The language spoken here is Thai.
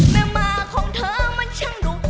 แมวบาร์ของเธอมันช่างหลุม